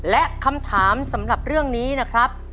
และคำถามสำหรับเรื่องนี้นะครับ